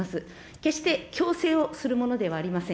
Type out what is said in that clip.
決して強制をするものではありません。